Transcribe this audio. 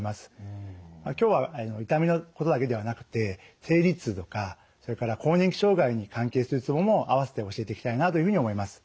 今日は痛みのことだけではなくて生理痛とかそれから更年期障害に関係するツボもあわせて教えていきたいなというふうに思います。